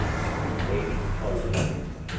David Connolly